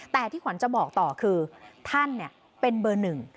แต่ที่ขวัญจะบอกต่อคือท่านเป็นเบอร์หนึ่ง